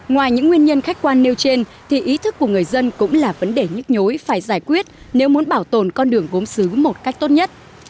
ngoài những nguyên nhân khách quan nêu trên thì ý thức của người dân cũng là vấn đề nhức nhối phải giải quyết nếu muốn bảo tồn con đường gốm xứ một cách tốt nhất